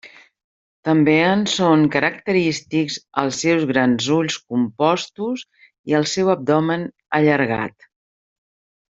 També en són característics els seus grans ulls compostos i el seu abdomen allargat.